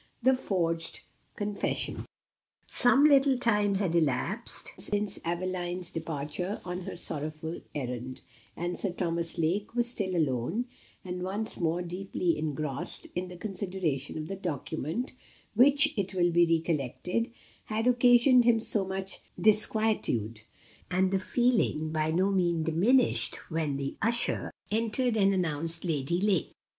The forged Confession. Some little time had elapsed since Aveline's departure on her sorrowful errand, and Sir Thomas Lake was still alone, and once more deeply engrossed in the consideration of the document, which, it will be recollected, had occasioned him so much disquietude; and the feeling by no means diminished when the usher entered and announced Lady Lake.